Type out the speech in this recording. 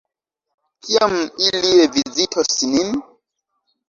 Kiam ili revizitos nin?